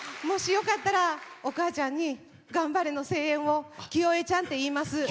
もしよかったらお母ちゃんに頑張れの声援をきよえちゃんっていいます。